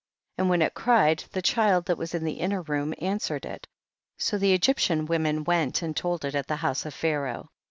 10. And when it cried the child that was in the inner room answered it, so the Egyptian women went and told it at the house of Pharaoh.